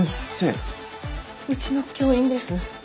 うちの教員です。